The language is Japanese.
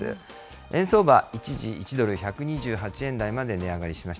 円相場、一時１ドル１２８円台まで値上がりしました。